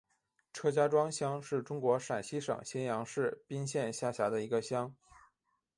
车家庄乡是中国陕西省咸阳市彬县下辖的一个乡。